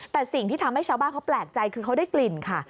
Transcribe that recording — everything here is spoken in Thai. แต่สิ่งที่ทำให้ชาวบ้านเขาแปลกใจคือเขาได้กลิ่นค่ะ